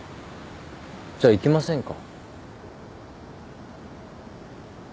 じゃあ行きませんか？